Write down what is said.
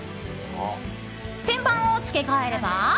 天板を付け替えれば。